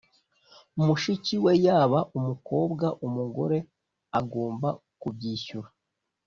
mushiki we yaba umukobwa umugore agomba kubyishyura